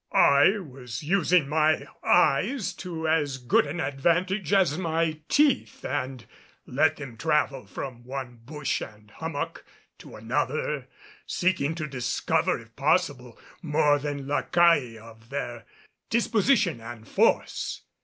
I was using my eyes to as good an advantage as my teeth and let them travel from one bush and hummock to another, seeking to discover, if possible, more than La Caille of their disposition and force.